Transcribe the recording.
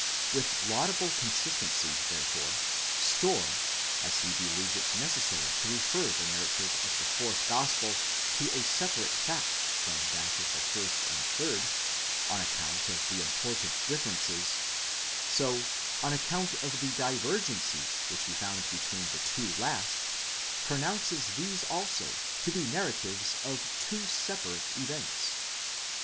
With laudable consistency, therefore, Storr, as he believed it necessary to refer the narrative of the fourth gospel to a separate fact from that of the first and third, on account of the important differences; so, on account of the divergencies which he found between the two last, pronounces these also to be narratives of two separate events.